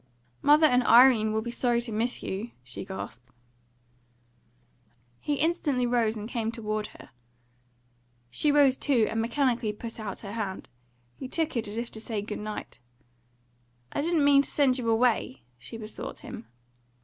"Mother and Irene will be sorry to miss you," she gasped. He instantly rose and came towards her. She rose too, and mechanically put out her hand. He took it as if to say good night. "I didn't mean to send you away," she besought him.